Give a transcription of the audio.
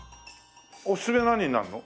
おすすめは何になるの？